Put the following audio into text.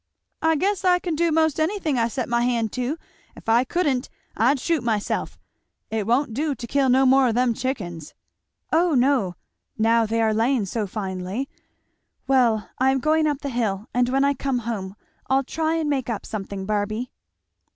"I guess I can do most anything I set my hand to. If I couldn't I'd shoot myself. It won't do to kill no more o' them chickens." "O no, now they are laying so finely. Well, I am going up the hill, and when I come home I'll try and make up something, Barby."